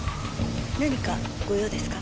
何かご用ですか？